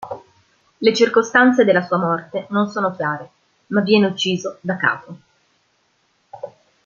Le circostanze della sua morte non sono chiare, ma viene ucciso da Cato.